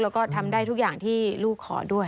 แล้วก็ทำได้ทุกอย่างที่ลูกขอด้วย